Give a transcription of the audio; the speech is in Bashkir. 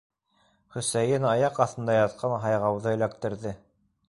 Хөсәйен аяҡ аҫтында ятҡан һайғауҙы эләктерҙе.